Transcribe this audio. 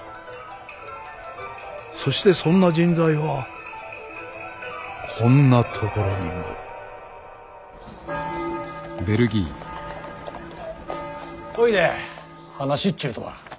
そしてそんな人材はこんなところにも。ほいで話っちゅうとは。